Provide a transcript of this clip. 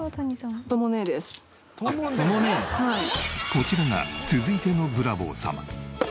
こちらが続いてのブラボー様。